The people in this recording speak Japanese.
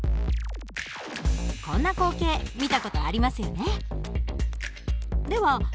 こんな光景見た事ありますよね。